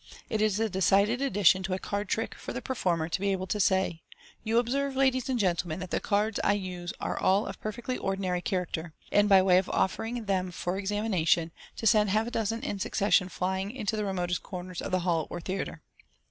It is a decided addition to a card trick for the per former to be able to say, " You observe, ladies and gentlemen, that the cards I use are all of a perfectly ordinary char Fig. 27. ^IB* acter," and by way of offering them for exami nation, to send half a dozen in succession flying into the remotest corners of the hall or theatre.